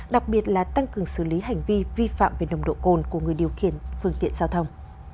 đặc biệt là tăng cường xử lý hành vi vi phạm về nồng độ cồn